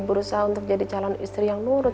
berusaha untuk jadi calon istri yang nurut